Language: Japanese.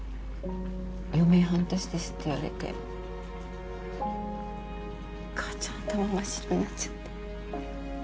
「余命半年です」って言われて母ちゃん頭真っ白になっちゃって。